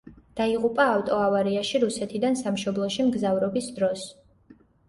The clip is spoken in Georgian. დაიღუპა ავტოავარიაში რუსეთიდან სამშობლოში მგზავრობის დროს.